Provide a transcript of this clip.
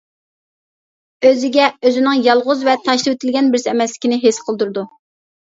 ئۆزىگە ئۆزىنىڭ يالغۇز ۋە تاشلىۋېتىلگەن بىرسى ئەمەسلىكىنى ھېس قىلدۇرىدۇ.